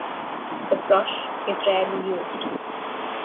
The brush is rarely used.